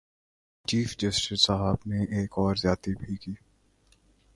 Chief justice صاحب نے ایک اور زیادتی بھی کی۔